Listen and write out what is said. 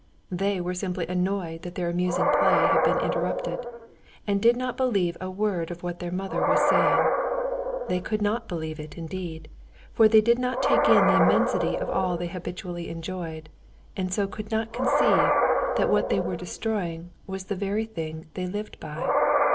They were simply annoyed that their amusing play had been interrupted, and did not believe a word of what their mother was saying. They could not believe it indeed, for they could not take in the immensity of all they habitually enjoyed, and so could not conceive that what they were destroying was the very thing they lived by.